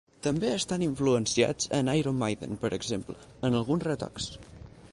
També estan influenciats per Iron Maiden; per exemple, en alguns retocs.